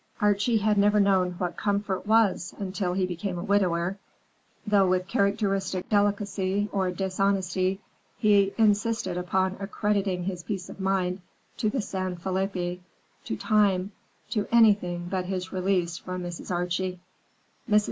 Archie had never known what comfort was until he became a widower, though with characteristic delicacy, or dishonesty, he insisted upon accrediting his peace of mind to the San Felipe, to Time, to anything but his release from Mrs. Archie. Mrs.